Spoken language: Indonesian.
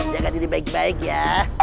jaga diri baik baik ya